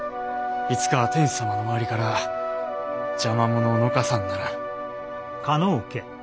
いつかは天子様の周りから邪魔者をのかさんならん。